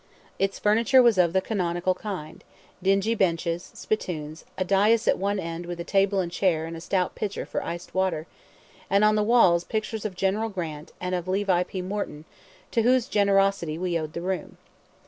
Its furniture was of the canonical kind: dingy benches, spittoons, a dais at one end with a table and chair and a stout pitcher for iced water, and on the walls pictures of General Grant, and of Levi P. Morton, to whose generosity we owed the room.